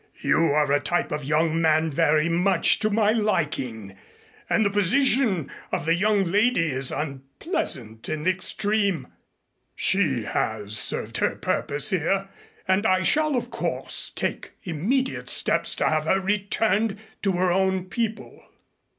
You are a type of young man very much to my liking, and the position of the young lady is unpleasant in the extreme. She has served her purpose here and I shall, of course, take immediate steps to have her returned to her own people."